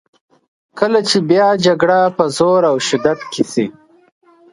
کله چې بیا جګړه په زور او شدت کې شي.